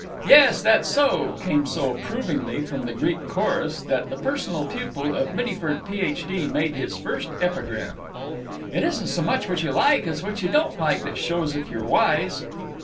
"Yes, that's so," came so approvingly from the Greek chorus that the personal pupil of Mittyford, Ph.D., made his first epigram: "It isn't so much what you like as what you don't like that shows if you're wise."